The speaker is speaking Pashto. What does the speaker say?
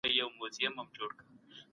سوسیالیزم د ملکیت آزادي اخلي.